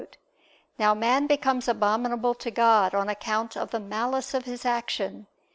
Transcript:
Now man becomes abominable to God on account of the malice of his action.